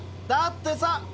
だってさ。